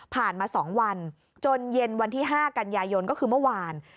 มา๒วันจนเย็นวันที่๕กันยายนก็คือเมื่อวาน